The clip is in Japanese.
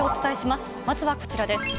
まずはこちらです。